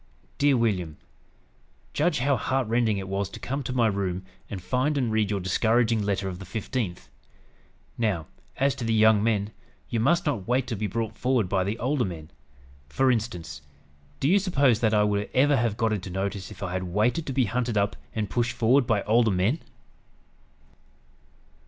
"DEAR WILLIAM: "Judge how heart rending it was to come to my room and find and read your discouraging letter of the 15th. Now, as to the young men, you must not wait to be brought forward by the older men. For instance, do you suppose that I would ever have got into notice if I had waited to be hunted up and pushed forward by older men?"